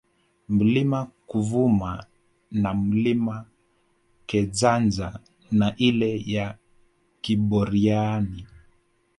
Mlima Kavuma na Mlima Kejanja na ile ya Kiboriani